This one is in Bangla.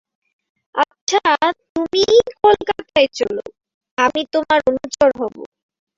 আচ্ছা, তুমিই কলকাতায় চলো, আমিই তোমার অনুচর হব।